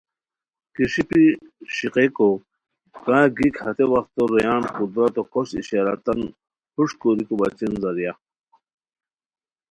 کیݰیپی ݰیقیکو کا گیک ہتے وختو رویان قدرتو کھوشت اشارتاً ہوݰکوریکو بچین زریعہ